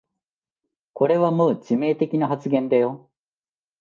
これはもう致命的な発言だよ